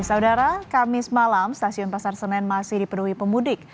saudara kamis malam stasiun pasar senen masih dipenuhi pemudik